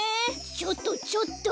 ちょっとちょっと。